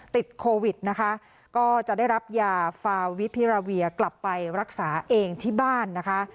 ติดโควิดนะคะก็จะได้รับยาฟาวิพิราเวียกลับไปรักษาเองที่บ้านนะคะ